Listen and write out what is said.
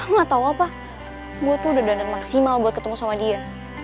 gue tuh udah dandat maksimal buat ketemu sama dia